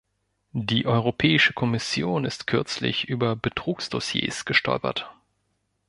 Die Europäische Kommission ist kürzlich über Betrugsdossiers gestolpert.